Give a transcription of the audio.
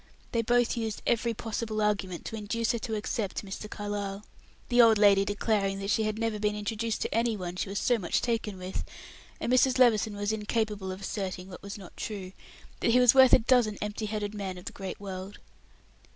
They both used every possible argument to induce her to accept Mr. Carlyle: the old lady declaring that she had never been introduced to any one she was so much taken with, and Mrs. Levison was incapable of asserting what was not true; that he was worth a dozen empty headed men of the great world.